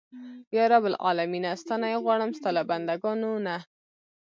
یا رب العالمینه ستا نه یې غواړم ستا له بنده ګانو نه.